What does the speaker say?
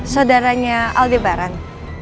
saudaranya alde bareng